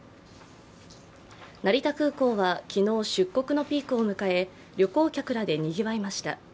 成田空港は昨日、出国のピークを迎え、旅行客らでにぎわいました。